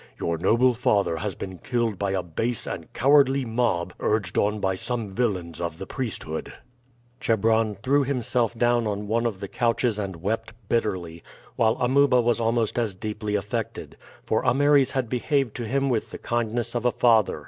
"Your noble father has been killed by a base and cowardly mob urged on by some villains of the priesthood." Chebron threw himself down on one of the couches and wept bitterly, while Amuba was almost as deeply affected, for Ameres had behaved to him with the kindness of a father.